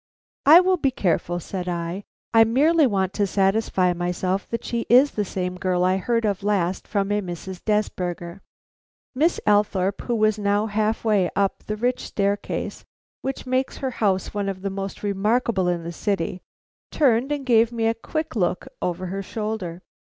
"I will be careful," said I. "I merely want to satisfy myself that she is the same girl I heard of last from a Mrs. Desberger." Miss Althorpe, who was now half way up the rich staircase which makes her house one of the most remarkable in the city, turned and gave me a quick look over her shoulder.